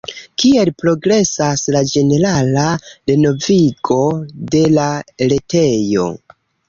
Kiel progresas la ĝenerala renovigo de la retejo?